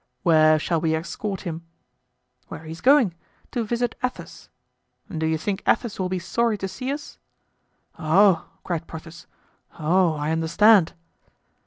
"Where shall we escort him?" "Where he is going—to visit Athos. Do you think Athos will be sorry to see us?" "Oh!" cried Porthos, "oh! I understand."